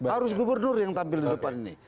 harus gubernur yang tampil di depan ini